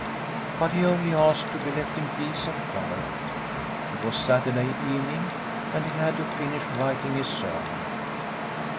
But he only asked to be left in peace and quiet. It was Saturday evening, and he had to finish writing his sermon.